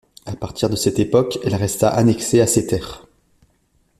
À partir de cette époque elle resta annexée à ces terres.